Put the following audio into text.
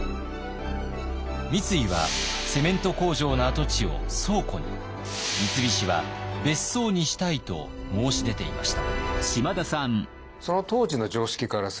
三井はセメント工場の跡地を倉庫に三菱は別荘にしたいと申し出ていました。